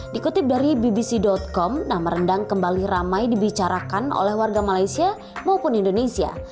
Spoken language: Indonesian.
dikutip dari bbc com nama rendang kembali ramai dibicarakan oleh warga malaysia maupun indonesia